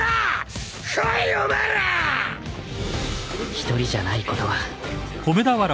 ［一人じゃないことは］